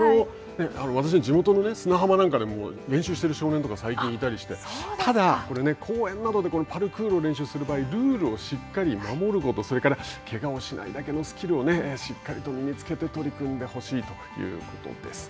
私、地元の砂浜なんかでも練習してる少年とか最近いたりして、ただ、公園などでパルクールの練習をする場合、ルールをしっかり守ること、それから、けがをしないだけのスキルをしっかりと身につけて取り組んでほしいということです。